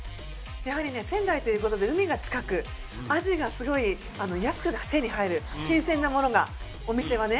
やはりね仙台という事で海が近くアジがすごい安く手に入る新鮮なものがお店はね。